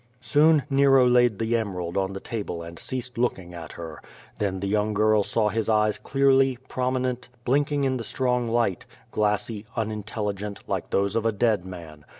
Soon Nero laid the emerald on the table and ceased looking at her. Then the young girl saw his eyes clearly, prominent, blinking in the strong light, glassy, unintelligent, like tho«K3 of a dead man.